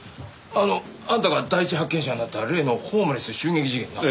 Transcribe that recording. あのあんたが第一発見者になった例のホームレス襲撃事件な。